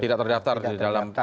tidak terdaftar di dalam press ya